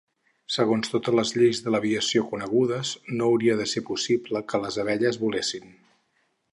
Segons totes les lleis de l'aviació conegudes, no hauria de ser possible que les abelles volessin.